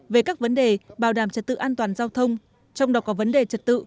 về các vấn đề bảo đảm trật tự an toàn giao thông trong đó có vấn đề trật tự